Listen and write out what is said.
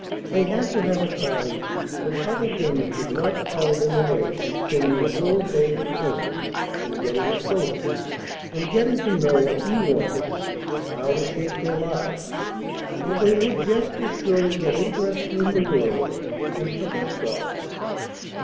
They had to have a time when other things did not call them away from spending a whole day with Him and getting acquainted, from getting to know what He wanted and how to shape their lives, or they would just as surely get interested in the world and forget God."